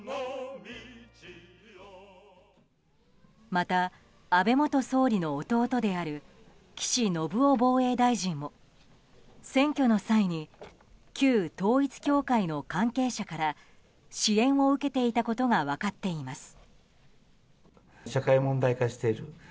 また安倍元総理の弟である岸信夫防衛大臣も選挙の際に旧統一教会の関係者から支援を受けていたことが分かっています。